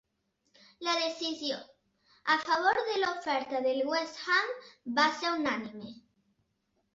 La decisió, a favor de l'oferta del West Ham, va ser unànime.